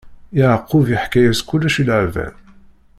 Yeɛqub iḥka-yas kullec i Laban.